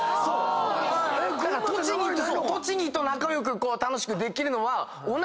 栃木と仲良く楽しくできるのは。